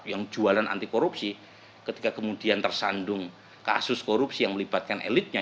yang jualan anti korupsi ketika kemudian tersandung kasus korupsi yang melibatkan elitnya